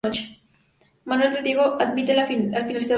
Manuel de Diego dimite al finalizar la campaña.